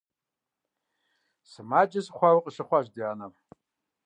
Сымаджэ сыхъуауэ къыщыхъуащ ди анэм.